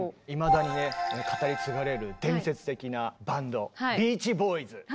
いまだにね語り継がれる伝説的なバンドビーチ・ボーイズ。